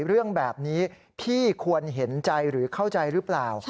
เรื่องแบบนี้พี่ควรเห็นใจหรือเข้าใจหรือเปล่า